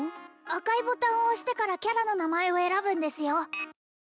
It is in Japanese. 赤いボタンを押してからキャラの名前を選ぶんですよ